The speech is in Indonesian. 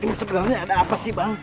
ini sebenarnya ada apa sih bang